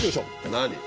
何？